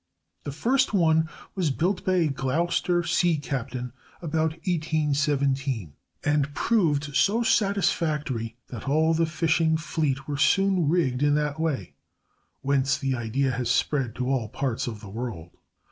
The first one was built by a Gloucester sea captain about 1817, and proved so satisfactory that all the fishing fleet were soon rigged in that way, whence the idea has spread to all parts of the world.